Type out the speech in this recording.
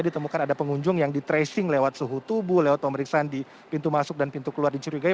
ditemukan ada pengunjung yang di tracing lewat suhu tubuh lewat pemeriksaan di pintu masuk dan pintu keluar dicurigai